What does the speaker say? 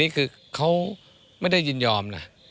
นี่คือเขาไม่ได้ยินยอมนะ